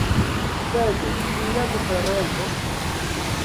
Sed, kia diferenco!